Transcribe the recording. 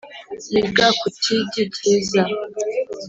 yiga ku kigi cyiza